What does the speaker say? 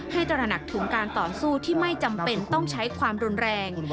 ตระหนักถึงการต่อสู้ที่ไม่จำเป็นต้องใช้ความรุนแรง